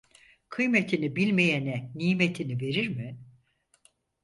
Kıymetini bilmeyene nimetini verir mi?